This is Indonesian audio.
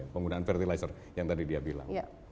penggunaan fertilizer yang tadi dia bilang